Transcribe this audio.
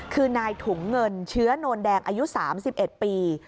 คือนายถุงเงินเชื้อโนนแดงอายุ๓๑ปี